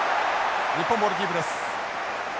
日本ボールキープです。